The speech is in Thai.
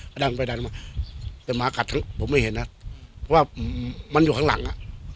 ก็ดันไปดันมาแต่หมากัดผมไม่เห็นนะเพราะว่ามันอยู่ข้างหลังอ่ะ